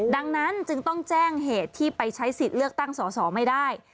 ดังนั้นจึงต้องแจ้งเหตุที่ไปใช้สิทธิ์เลือกตั้งสอสอไม่ได้